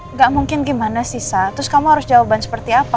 enggak mungkin gimana sih sa terus kamu harus jawaban seperti apa